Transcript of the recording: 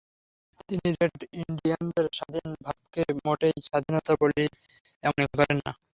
তিনি রেড ইণ্ডিয়ানের স্বাধীন ভাবকে মোটেই স্বাধীনতা বলিয়া মনে করেন না।